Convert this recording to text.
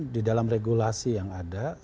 di dalam regulasi yang ada